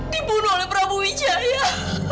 dibunuh oleh prabu wijaya